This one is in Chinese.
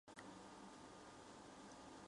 东京音乐大学音乐学部毕业。